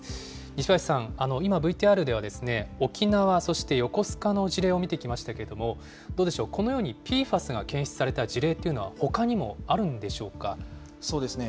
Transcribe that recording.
西林さん、今、ＶＴＲでは沖縄、そして横須賀の事例を見てきましたけれども、どうでしょう、このようにＰＦＡＳが検出された事例というのはほかそうですね。